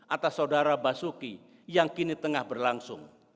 atas saudara basuki yang kini tengah berlangsung